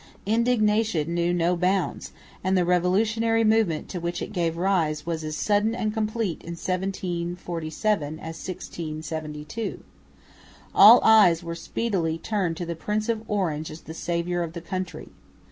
Indignation knew no bounds; and the revolutionary movement to which it gave rise was as sudden and complete in 1747 as in 1672. All eyes were speedily turned to the Prince of Orange as the saviour of the country.